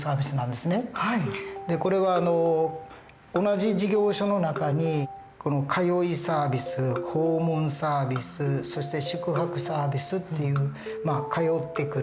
これは同じ事業所の中に通いサービス訪問サービスそして宿泊サービスっていう通ってくる。